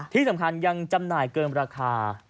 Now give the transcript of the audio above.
ที่สำคัญยังจำหน่ายเกินราคา